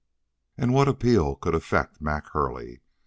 And what appeal could affect Mac Hurley?